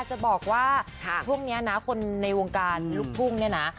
จะบอกว่าช่วงนี้นะคนในวงการลูกทุ่งเนี่ยนะ